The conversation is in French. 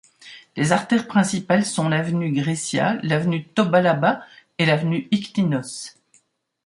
Les artères principales sont l'avenue Grecia, l'avenue Tobalaba et l'avenue Ictinos.